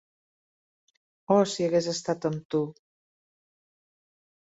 Oh, si hagués estat amb tu!